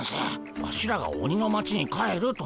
ワシらが鬼の町に帰ると言ったら。